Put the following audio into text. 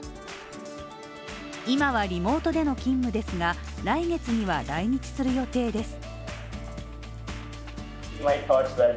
今はリモートでの勤務ですが、来月には来日する予定です。